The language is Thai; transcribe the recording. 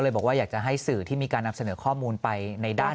บอกว่าอยากจะให้สื่อที่มีการนำเสนอข้อมูลไปในด้าน